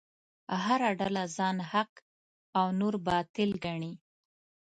هره ډله ځان حق او نور باطل ګڼي.